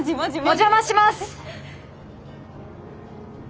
お邪魔します！